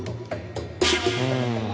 うん。